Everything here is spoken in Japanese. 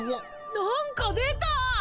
何か出たぁ！